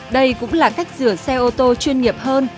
đây cũng là cách rửa xe ô tô chuyên nghiệp hơn